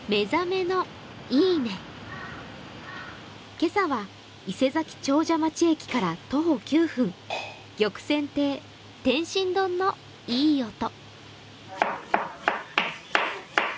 今朝は、伊勢佐木長者町駅から徒歩９分、玉泉亭、天津丼のいい音。